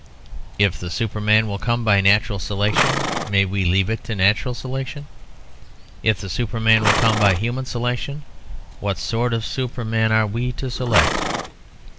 If the Superman will come by natural selection, may we leave it to natural selection? If the Superman will come by human selection, what sort of Superman are we to select?